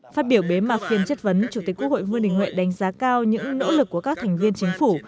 phát biểu bế mạc phiên chất vấn chủ tịch quốc hội vương đình huệ đánh giá cao những nỗ lực của các thành viên chính phủ